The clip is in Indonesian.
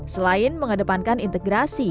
selain mengedepankan integrasi